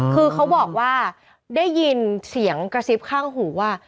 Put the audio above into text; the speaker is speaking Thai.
คือเขาบอกว่าได้ยินเสียงกระซิบข้างหูว่า